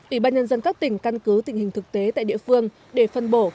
ủy ban nhân dân các tỉnh căn cứ tình hình thực tế tại địa phương để phân bổ